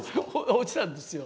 落ちたんですよ。